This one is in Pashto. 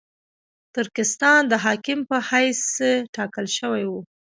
ترکستان د حاکم په حیث ټاکل شوی وو.